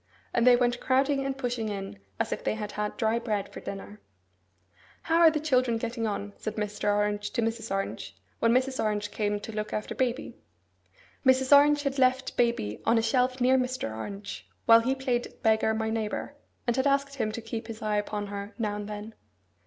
And they went crowding and pushing in, as if they had had dry bread for dinner. 'How are the children getting on?' said Mr. Orange to Mrs. Orange, when Mrs. Orange came to look after baby. Mrs. Orange had left baby on a shelf near Mr. Orange while he played at beggar my neighbour, and had asked him to keep his eye upon her now and then.